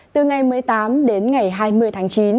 từ ngày một mươi tám đến ngày hai mươi tháng chín